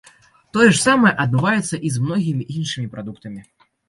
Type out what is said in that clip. Тое ж самае адбываецца з многімі іншымі прадуктамі.